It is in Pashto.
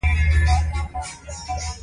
د داسې جګړو په برخه کې متوجه وي.